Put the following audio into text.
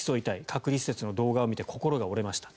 隔離施設の動画を見て心が折れました。